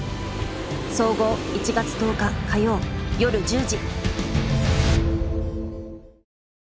総合１月１０日火曜夜１０時。